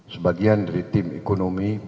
sebagian dari tim ekonomi